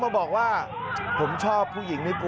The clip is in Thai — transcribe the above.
จริงจริงจริงจริง